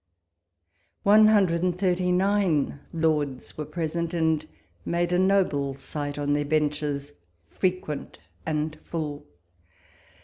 One hundred and thirtj' nine Lords were present, and made a noble sight on their benches fnquciif and fxtU!